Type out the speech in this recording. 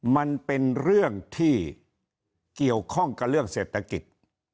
มันเป็นเรื่องที่เกี่ยวข้องกับเรื่องเศรษฐกิจ